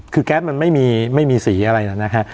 คือแก๊สมันไม่มีสีอะไรนะฮะ